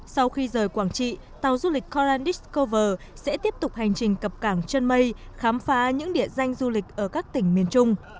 sau khi rời quảng trị tàu du lịch coaniscover sẽ tiếp tục hành trình cập cảng chân mây khám phá những địa danh du lịch ở các tỉnh miền trung